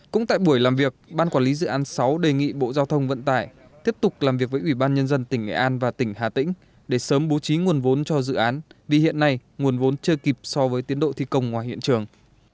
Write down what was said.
cũng tại buổi làm việc ban quản lý dự án sáu đề nghị bộ giao thông vận tải tiếp tục làm việc với ủy ban nhân dân tỉnh nghệ an và tỉnh hà tĩnh để sớm bố trí nguồn vốn cho dự án vì hiện nay nguồn vốn chưa kịp so với tiến độ thi công ngoài hiện trường